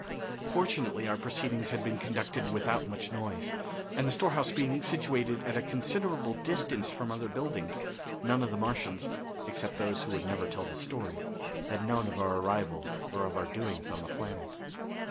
Fortunately our proceedings had been conducted without much noise, and the storehouse being situated at a considerable distance from other buildings, none of the Martians, except those who would never tell the story, had known of our arrival or of our doings on the planet.